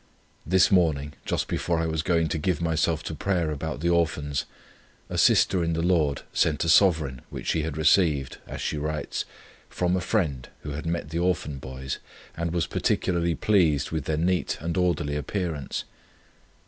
This morning, just before I was going to give myself to prayer about the Orphans, a sister in the Lord sent a sovereign, which she had received, as she writes, 'From a friend who had met the Orphan Boys, and was particularly pleased with their neat and orderly appearance.'